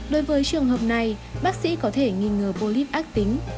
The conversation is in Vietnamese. đối với trường hợp này bác sĩ có thể nghi ngờ bolip ác tính